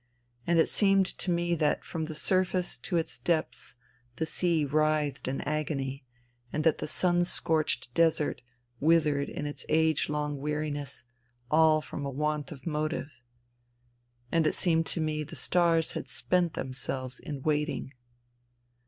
And it seemed to me that from the surface to its depths the sea writhed in agony, and that the sun scorched desert withered in its age long weariness, all from a want of motive. And it seemed to me the stars had spent themselves in waiting.